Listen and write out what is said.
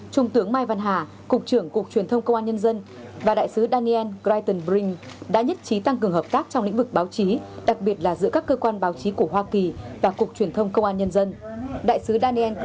trung tướng mai văn hà cục trưởng cục truyền thông công an nhân dân và đại sứ daniel critton brink đã nhất trí tăng cường hợp tác trong lĩnh vực báo chí đặc biệt là giữa các cơ quan báo chí của hoa kỳ và cục truyền thông công an nhân dân